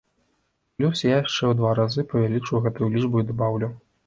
Плюс я яшчэ ў два разы павялічу гэтую лічбу і дабаўлю.